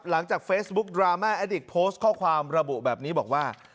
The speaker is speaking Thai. หลังจากเฟซบุ๊กดราม่าแอดดิกโพสต์ข้อความระบุแบบนี้บอกว่า